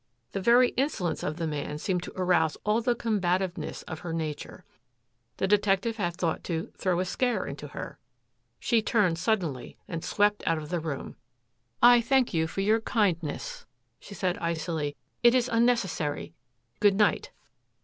The very insolence of the man seemed to arouse all the combativeness of her nature. The detective had thought to "throw a scare into" her. She turned suddenly and swept out of the room. "I thank you for your kindness," she said icily. "It is unnecessary. Good night."